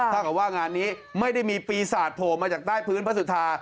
ถ้าเกิดว่างานนี้ไม่ได้มีปีศาจโผล่มาจากใต้พื้นพระสุธา